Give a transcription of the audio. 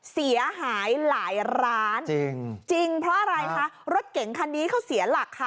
เสียหายหลายร้านจริงจริงเพราะอะไรคะรถเก๋งคันนี้เขาเสียหลักค่ะ